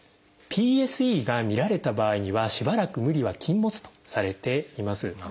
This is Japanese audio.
ＰＥＳＥが見られた場合にはしばらく無理は禁物とされています。